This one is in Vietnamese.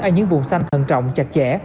ở những vùng xanh thận trọng chặt chẽ